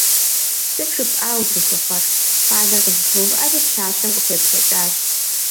Сыт жыпӀа узылъыхъуэр? – щӀалэр къызэтеувыӀэри, пщащэм къыхуеплъэкӀащ.